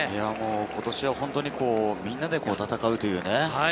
今年は本当にみんなで戦うという。